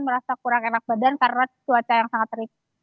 merasa kurang enak badan karena cuaca yang sangat terik